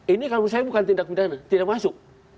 ini kalau menurut saya bukan tindak pidana tidak masuk